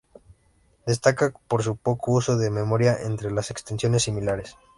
Destaca por su poco uso de memoria entre las extensiones similares.